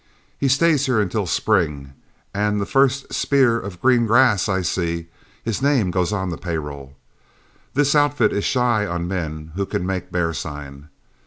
He stays here until spring; and the first spear of green grass I see, his name goes on the pay roll. This outfit is shy on men who can make bear sign.